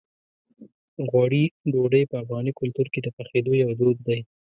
غوړي ډوډۍ په افغاني کلتور کې د پخېدو یو دود دی.